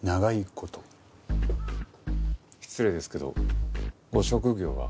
失礼ですけどご職業は？